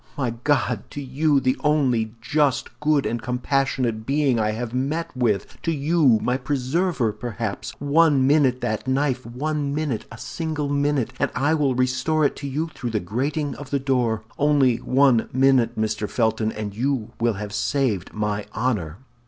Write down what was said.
My God! to you—the only just, good, and compassionate being I have met with! To you—my preserver, perhaps! One minute that knife, one minute, a single minute, and I will restore it to you through the grating of the door. Only one minute, Mr. Felton, and you will have saved my honor!"